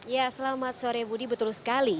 ya selamat sore budi betul sekali